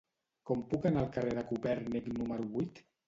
Com puc anar al carrer de Copèrnic número vuit?